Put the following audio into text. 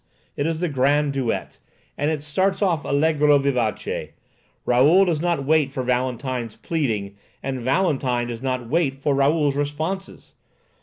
It is the grand duet, and it starts off allegro vivace. Raoul does not wait for Valentine's pleading, and Valentine does not wait for Raoul's responses.